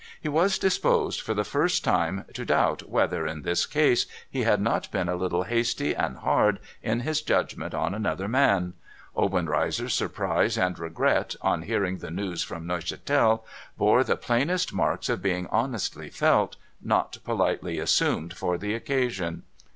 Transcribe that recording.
He was disposed, for the first time, to doubt whether, in this case, he had not been a little hasty and hard in his judgment on another man. Obenreizer's surprise and regret, on hearing the news from Neuchatel, bore the plainest marks of being honestly felt — not politely assumed for the occasion.